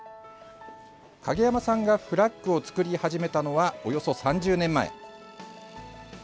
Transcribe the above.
影山さんがフラッグを作り始めたのはおよそ３０年前。